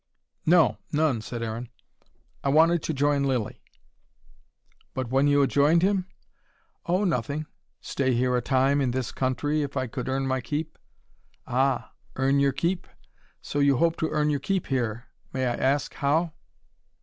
"No, none," said Aaron. "I wanted to join Lilly." "But when you had joined him ?" "Oh, nothing stay here a time, in this country, if I could earn my keep." "Ah! earn your keep? So you hope to earn your keep here? May I ask how?"